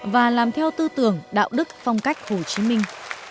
và làm theo tư tưởng đạo đức phong cách hồ chí minh